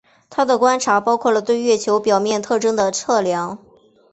他的观察包括了对月球表面特征的测量。